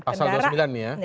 pasal dua puluh sembilan nih ya